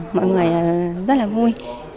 mọi người rất là vui